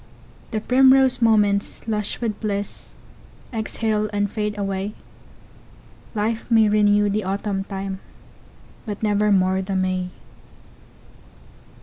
The primrose moments, lush with bliss, Exhale and fade away, Life may renew the Autumn time, But nevermore the May!